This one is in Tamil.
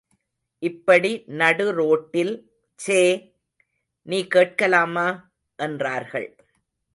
இப்படி நடுரோட்டில், சே! —நீ கேட்கலாமா? —என்றார்கள்.